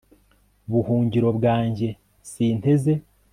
buhungiro bwanjye, sinteze